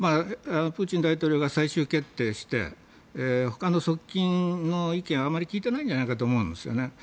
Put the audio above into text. プーチン大統領が最終決定して他の側近の意見をあまり聞いていないんじゃないかと思うんですね。